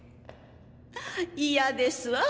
嫌ですわ。